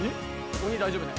鬼大丈夫ね